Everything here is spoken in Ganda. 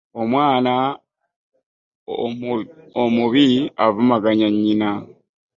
Omwan aomubi avumaganya nyinna .